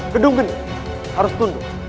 gedung ini harus tunduk